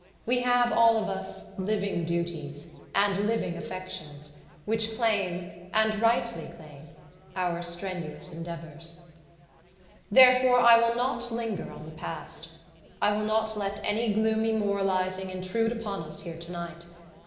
We have all of us living duties and living affections which claim, and rightly claim, our strenuous endeavours. "Therefore, I will not linger on the past. I will not let any gloomy moralising intrude upon us here tonight.